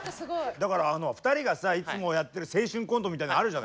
だから２人がさいつもやってる青春コントみたいなのあるじゃない。